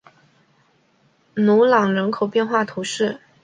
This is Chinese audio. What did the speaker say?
努朗人口变化图示